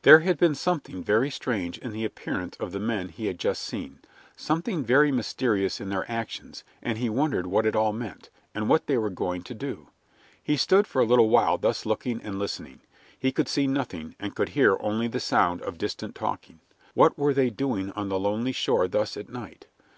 There had been something very strange in the appearance of the men he had just seen, something very mysterious in their actions, and he wondered what it all meant, and what they were going to do. He stood for a little while thus looking and listening. He could see nothing, and could hear only the sound of distant talking. What were they doing on the lonely shore thus at night?